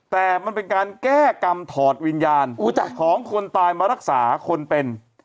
แต่มันเป็นการแก้กรรมถอดวิญญาณของคนตายมารักษาคนเป็น